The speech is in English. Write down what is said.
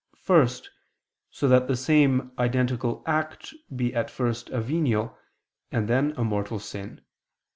First, so that the same identical act be at first a venial, and then a mortal sin.